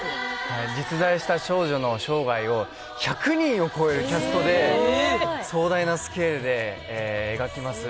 実在した少女の生涯を１００人を超えるキャストで、壮大なスケールで描きます。